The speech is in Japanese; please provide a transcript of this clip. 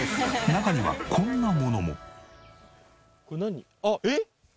中にはこんなものも。